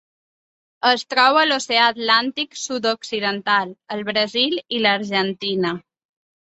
Es troba a l'Oceà Atlàntic sud-occidental: el Brasil i l'Argentina.